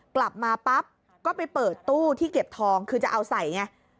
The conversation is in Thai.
กลับมาปั๊บก็ไปเปิดตู้ที่เก็บทองคือจะเอาใส่ไง